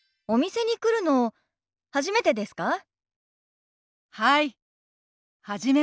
「お店に来るの初めてですか？」。